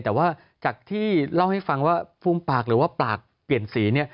แต่ว่าจากที่เล่าให้ฟังว่าฟูมปากหรือว่าปากเปลี่ยนสีเนี่ย